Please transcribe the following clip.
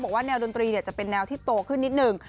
แนวดนตรีจะเป็นแนวที่โตขึ้นนิดหนึ่ง